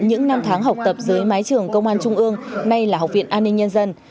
những năm tháng học tập dưới mái trường công an trung ương nay là học viện an ninh nhân dân